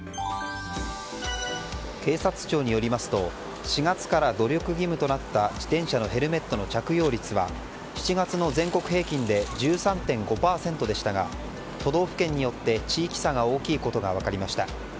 警察庁によりますと４月から努力義務となった自転車のヘルメットの着用率は７月の全国平均で１３．５％でしたが都道府県によって地域差が大きいことが分かりました。